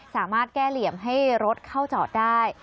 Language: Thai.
สามารถแก้เหลี่ยมให้รถเข้าจอดได้